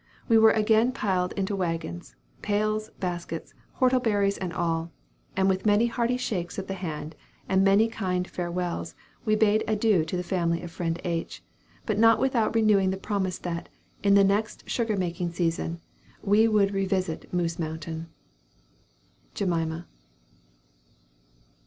We were again piled into the waggons pails, baskets, whortleberries, and all; and with many hearty shakes of the hand, and many kind farewells, we bade adieu to the family of friend H., but not without renewing the promise, that, in the next sugar making season, we would revisit Moose Mountain. JEMIMA.